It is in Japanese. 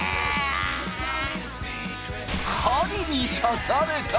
針に刺されたり。